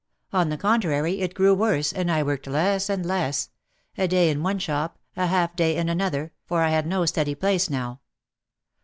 On the contrary, it grew worse and I worked less and less — a day in one shop, a half day in another, for I had no steady place now.